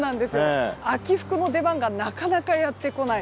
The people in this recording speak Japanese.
秋服の出番がなかなかやってこない。